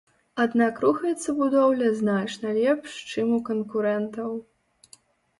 Аднак рухаецца будоўля значна лепш, чым у канкурэнтаў.